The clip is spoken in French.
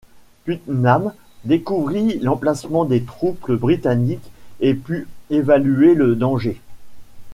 Putnam découvrit l'emplacement des troupes britanniques et put évaluer le danger.